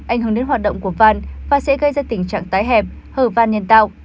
ảnh hưởng đến hoạt động của van và sẽ gây ra tình trạng tái hẹp hở van nhân tạo